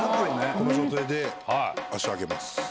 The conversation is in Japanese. この状態で足を上げます。